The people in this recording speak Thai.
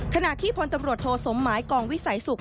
ขณะที่พลตำรวจโทสมหมายกองวิสัยสุข